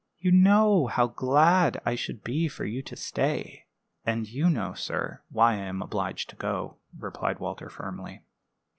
You know how glad I should be for you to stay." "And you know, sir, why I am obliged to go," replied Walter, firmly.